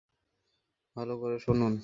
ভালো করে শুনুন।